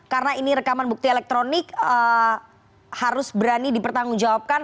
karena ini rekaman bukti elektronik harus berani dipertanggungjawabkan